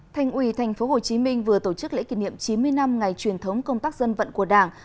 thành ủy tp hcm vừa tổ chức lễ kỷ niệm chín mươi năm ngày truyền thống công tác dân vận của đảng